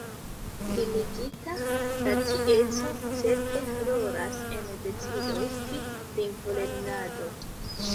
Limigita racieco certe rolas en decidoj pri lingvolernado!